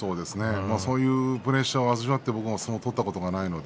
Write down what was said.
そういうプレッシャーを感じながら相撲を取ったことがないので。